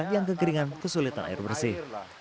yang kekeringan kesulitan air bersih